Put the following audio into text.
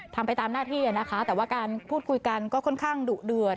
ไปตามหน้าที่นะคะแต่ว่าการพูดคุยกันก็ค่อนข้างดุเดือด